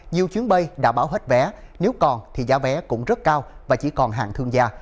nhiều chuyến bay đã bán hết vé nếu còn thì giá vé cũng rất cao và chỉ còn hạng thương gia